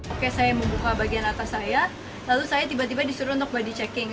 oke saya membuka bagian atas saya lalu saya tiba tiba disuruh untuk body checking